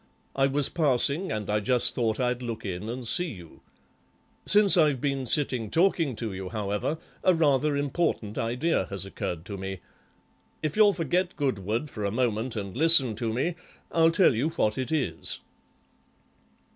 I was passing and I just thought I'd look in and see you. Since I've been sitting talking to you, however, a rather important idea has occurred to me. If you'll forget Goodwood for a moment and listen to me, I'll tell you what it is."